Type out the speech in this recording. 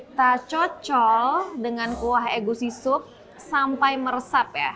setelah udah bulat kita cocol dengan kuah egusi sup sampai meresap ya